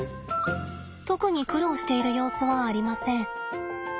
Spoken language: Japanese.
特に苦労している様子はありません。